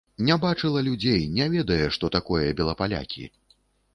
Не бачыла людзей, не ведае, што такое белапалякі.